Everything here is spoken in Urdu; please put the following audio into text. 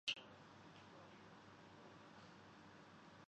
وہ لاکھوں کے مجمعے کو مبہوت کر دیتے ہیں